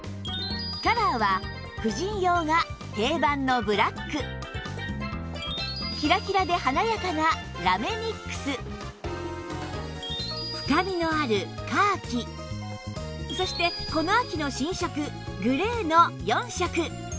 カラーは婦人用が定番のブラックキラキラで華やかなラメミックス深みのあるカーキそしてこの秋の新色グレーの４色